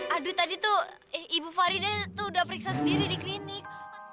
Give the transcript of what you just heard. aduh tadi tuh ibu farida tuh udah periksa sendiri di klinik